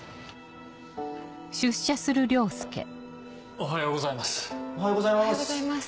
おはようございます。